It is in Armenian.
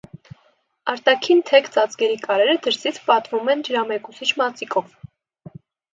Արտաքին թեք ծածկերի կարերը դրսից պատվում են ջրամեկուսիչ մածիկով։